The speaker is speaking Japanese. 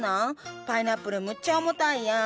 パイナップルむっちゃ重たいやん。